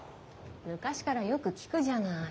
昔からよく聞くじゃない。